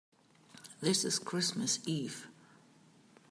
This is Christmas Eve.